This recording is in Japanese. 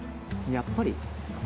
やっぱり？